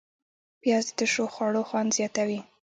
پیاز د تشو خوړو خوند زیاتوي